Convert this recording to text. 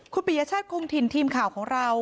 คุณปริญญาชาติกรุงถิ่นทีมข่าวของเรา